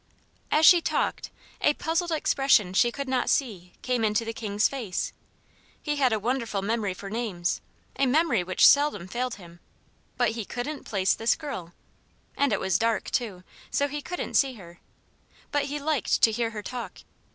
As she talked, a puzzled expression she could not see came into the King's face. He had a wonderful memory for names, a memory which seldom failed him; but he couldn't place this girl. And it was dark, too, so he couldn't see her. But he liked to hear her talk.